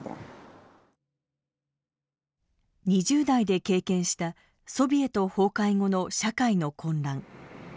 ２０代で経験したソビエト崩壊後の社会の混乱。